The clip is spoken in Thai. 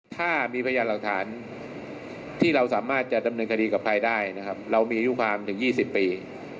ถ้ามีพยานหลักฐานที่เราสามารถจะดำเนินคดีกับใครได้นะครับเรามีอายุความถึง๒๐ปี